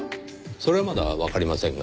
それはまだわかりませんが。